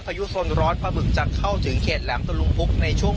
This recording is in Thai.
พายุสนร้อนปลาบึกจะเข้าถึงเขตแหลมตะลุมพุกในช่วง